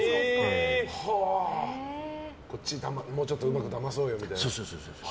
こっち、もうちょっとうまくだまそうよみたいな？